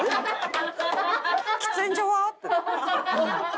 喫煙所は？って。